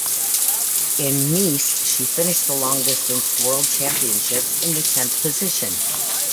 In Nice, she finished the long distance world championships in the tenth position.